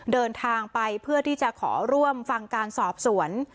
เดินทางไปเพื่อที่จะขอร่วมฟังการสอบสวน